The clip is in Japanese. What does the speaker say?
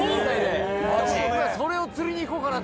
それを釣りに行こうかなと。